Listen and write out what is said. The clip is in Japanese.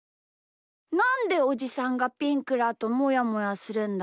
なんでおじさんがピンクだともやもやするんだ？